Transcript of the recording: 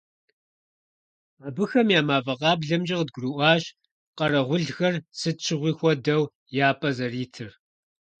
Абыхэм я мафӀэ къаблэмкӀэ къыдгурыӀуащ къэрэгъулхэр, сыт щыгъуи хуэдэу, я пӀэ зэритыр.